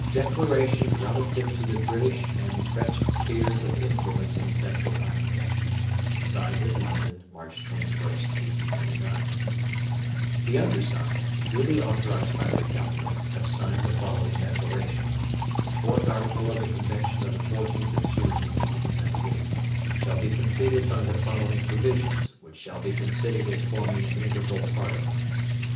DECLARATION RELATIVE TO THE BRITISH AND FRENCH SPHERES OF INFLUENCE IN CENTRAL AFRICA (Signed at London, March 21st, 1899) THE Undersigned, duly authorised by their Governments, have signed the following declaration: The IVth Article of the Convention of the 14th of June, 1898, shall be completed by the following provisions, which shall be considered as forming an integral part of it: 1.